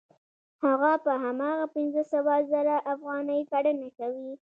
هغه په هماغه پنځه سوه زره افغانۍ کرنه کوي